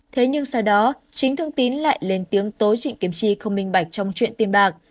thế nhưng sau đó chính thương tín lại lên tiếng tố trịnh kiểm chi không minh bạch trong chuyện tiền bạc